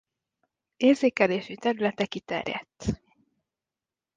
Érzékelési területe kiterjedt.